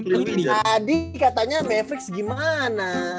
siapa yang nanyain mefrix gimana